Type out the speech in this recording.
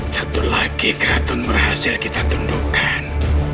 satu lagi keraton berhasil kita tundukkan